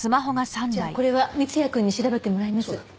じゃあこれは三ツ矢くんに調べてもらいます。